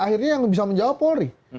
akhirnya yang bisa menjawab polri